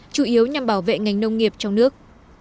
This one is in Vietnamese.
chủ yếu nhằm bảo vệ ngành nông nghiệp trong nước